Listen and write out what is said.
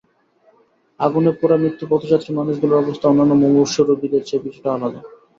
আগুনে পোড়া মৃত্যুপথযাত্রী মানুষগুলোর অবস্থা অন্যান্য মুমূর্ষু রোগীদের চেয়ে কিছুটা আলাদা।